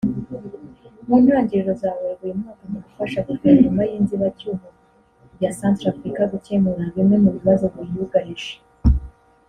mu ntangiriro za Werurwe uyu mwaka mu gufasha Guverinoma y’inzibacyuho ya Centrafrique gukemura bimwe mu bibazo biyugarije